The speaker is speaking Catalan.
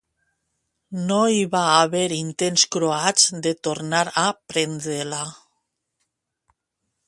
No hi va haver intents croats de tornar a prendre-la.